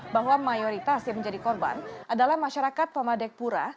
bahwa mayoritas yang menjadi korban adalah masyarakat pamadek pura